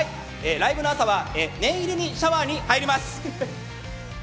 ライブの朝は念入りにシャワーに入ります！